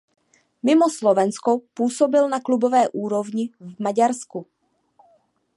Mimo Slovensko působil na klubové úrovni v Maďarsku.